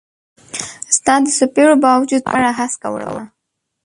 ستا د څیپړو با وجود به غاړه هسکه وړمه